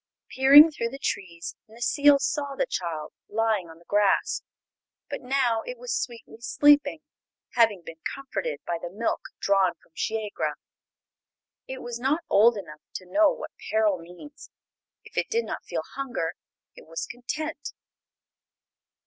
Peering through the trees Necile saw the child lying on the grass. But now it was sweetly sleeping, having been comforted by the milk drawn from Shiegra. It was not old enough to know what peril means; if it did not feel hunger it was content.